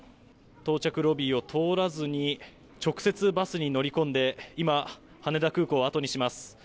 到着ロビーを通らずに直接、バスに乗り込んで今、羽田空港を後にします。